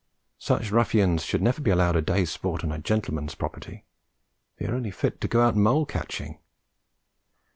Such ruffians should never be allowed a day's sport on a gentleman's property. They are only fit to go out mole catching.